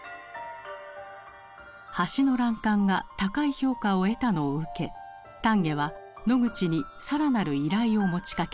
橋の欄干が高い評価を得たのを受け丹下はノグチに更なる依頼を持ちかけます。